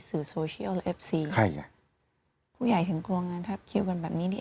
สื่อโซเชียลและเอฟซีใครอ่ะผู้ใหญ่ถึงกลัวงานทับคิวกันแบบนี้นี่